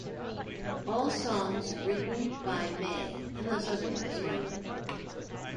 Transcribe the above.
All songs written by Mae unless otherwise noted.